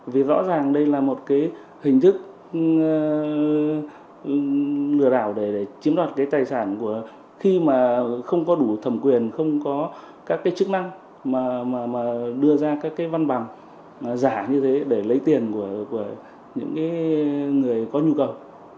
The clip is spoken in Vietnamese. vì rõ ràng đây là một cái hình thức lừa đảo để chiếm đoạt cái tài sản của khi mà không có đủ thẩm quyền không có các cái chức năng mà đưa ra các cái văn bằng giả như thế để lấy tiền của những người có nhu cầu